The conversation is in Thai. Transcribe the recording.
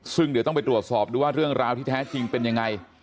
ซึ่งเดี๋ยวต้องไปตรวจสอบดูว่าเรื่องราวที่แท้จริงเป็นยังไง